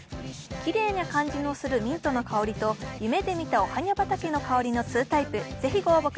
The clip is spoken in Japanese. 「きれいニャ感じのするミントの香り」と「夢で見たおはニャ畑の香り」の２タイプ。